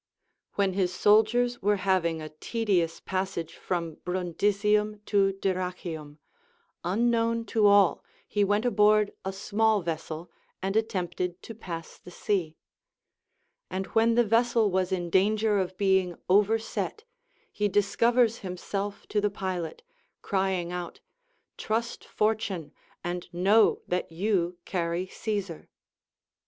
ΛVhen his soldiers were having a tedious passage from Brundisium to Dyrrachium, unknown to all he went aboard a small vessel, and attempted to pass the sea ; and when the vessel Avas in danger of being overset, he discovers himself to the pilot, crying out, Trust Fortune, and know that you carry Caesar.